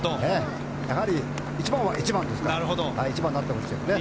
やはり１番は１番ですから１番になってほしいですね。